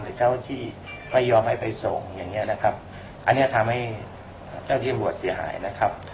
เจ้าที่ไม่ยอมให้ไปส่งอย่างเงี้ยนะครับอันนี้ทำให้เจ้าที่ตำรวจเสียหายนะครับ